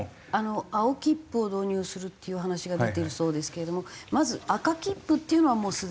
青切符を導入するっていう話が出てるそうですけれどもまず赤切符っていうのはもうすでに？